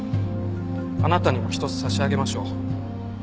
あなたにも一つ差し上げましょう。